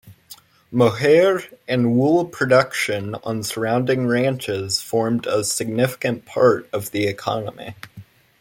Mohair and wool production on surrounding ranches formed a significant part of the economy.